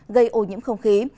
gây ô nhiễm không khí